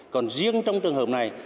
còn riêng trong trường hợp này